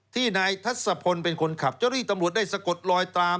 ที่นายทัศพลเป็นคนขับเจ้าหน้าที่ตำรวจได้สะกดลอยตาม